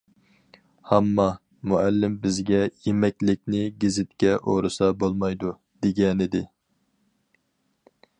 — ھامما، مۇئەللىم بىزگە ‹ ‹يېمەكلىكنى گېزىتكە ئورىسا بولمايدۇ› › دېگەنىدى.